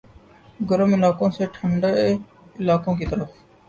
گرم علاقوں سے ٹھنڈے علاقوں کی طرف